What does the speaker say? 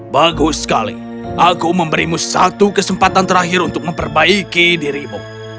bagus sekali aku memberimu satu kesempatan terakhir untuk memperbaiki dirimu